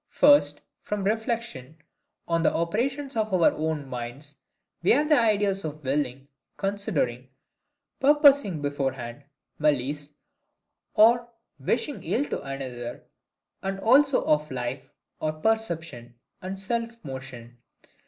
First, from REFLECTION on the operations of our own minds, we have the ideas of willing, considering, purposing beforehand, malice, or wishing ill to another; and also of life, or perception, and self motion.